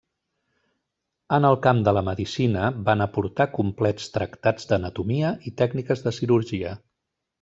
En el camp de la medicina, van aportar complets tractats d'anatomia i tècniques de cirurgia.